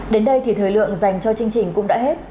đến đây thì thời lượng dành cho chương trình cũng đã hết